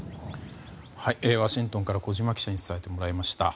ワシントンから小島記者に伝えてもらいました。